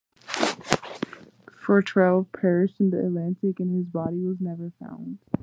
Futrelle perished in the Atlantic, and his body was never found.